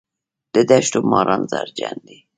د دښتو ماران زهرجن دي